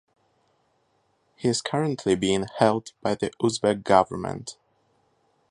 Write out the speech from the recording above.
He is currently being held by the Uzbek government.